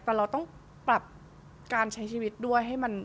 แต่เราต้องปรับการใช้ชีวิตด้วย